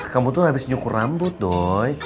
kamu tuh abis nyukur rambut doi